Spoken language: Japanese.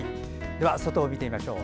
では、外を見てみましょう。